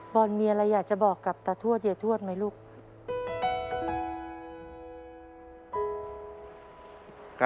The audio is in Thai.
บอลมีอะไรอยากจะบอกกับตาทวดยายทวดไหมลูก